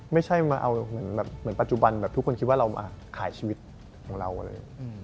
ไม่ใช่มาเอาเหมือนแบบเหมือนปัจจุบันแบบทุกคนคิดว่าเรามาขายชีวิตของเราเลย